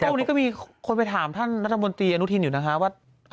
วันนี้ก็มีคนไปถามท่านรัฐมนตรีอนุทินอยู่นะคะว่า